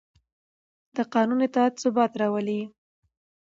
د قانون اطاعت ثبات راولي